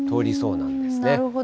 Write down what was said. なるほど。